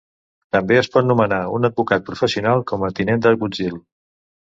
També es pot nomenar un advocat professional com a tinent d'agutzil.